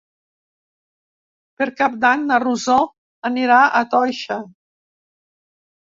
Per Cap d'Any na Rosó anirà a Toixa.